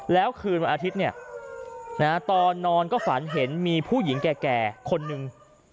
แล้วคืนวันอาทิตย์ตอนนอนก็ฝันเห็นมีผู้หญิงแก่คนหนึ่ง